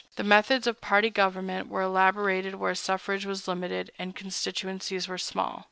The methods of party government were elaborated where suffrage was limited and constituencies were small.